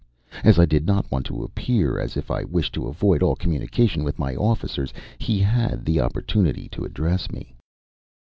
As I did not want to appear as if I wished to avoid all communication with my officers, he had the opportunity to address me.